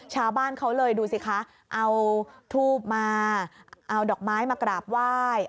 ชาวบ้านเขาเลยดูสิคะเอาทูบมาเอาดอกไม้มากราบไหว้